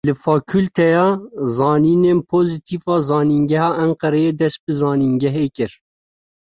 Li fakûlteya zanînên pozîtîv a Zanîngeha Enqereyê dest bi zanîngehê kir.